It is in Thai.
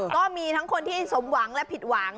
ก็มีทั้งคนที่สมหวังและผิดหวัง